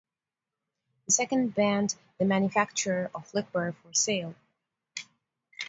The second banned the manufacture of liquor for sale.